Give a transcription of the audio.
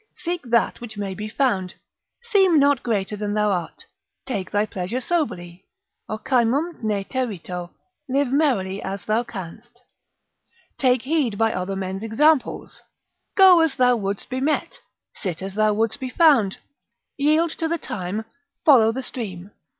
Seek that which may be found. Seem not greater than thou art. Take thy pleasure soberly. Ocymum ne terito. Live merrily as thou canst. Take heed by other men's examples. Go as thou wouldst be met, sit as thou wouldst be found, yield to the time, follow the stream.